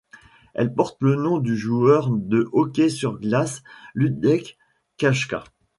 Elle porte le nom du joueur de hockey sur glace Luděk Čajka.